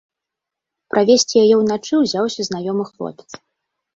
Правесці яе ўначы ўзяўся знаёмы хлопец.